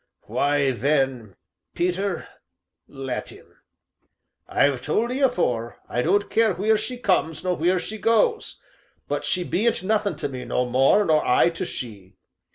"Why, then, Peter, let 'im. I've told 'ee afore, I don't care wheer she comes nor wheer she goes, she bean't nothin' to me no more, nor I to she.